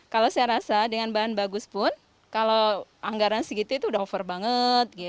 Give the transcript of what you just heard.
kalau saya rasa dengan bahan bagus pun kalau anggaran segitu itu udah over banget